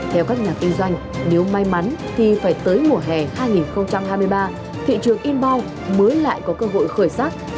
theo các nhà kinh doanh nếu may mắn thì phải tới mùa hè hai nghìn hai mươi ba thị trường inboun mới lại có cơ hội khởi sắc